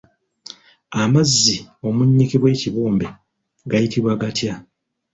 Amazzi omunnyikibwa ekibumbe gayitibwa gatya?